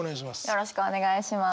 よろしくお願いします。